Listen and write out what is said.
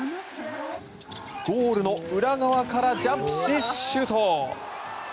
ゴールの裏側からジャンプしシュート。